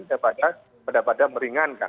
daripada pada pada meringankan